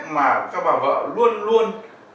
mà các bà vợ luôn luôn